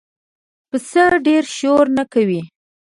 پسه ډېره شور نه کوي.